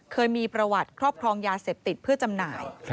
เคยมีประวัติครอบครองยาเสพติดเพื่อจำหน่าย